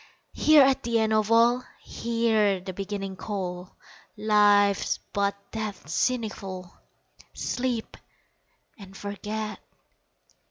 Here at the end of all Hear the Beginning call, Life's but death's seneschal Sleep and forget!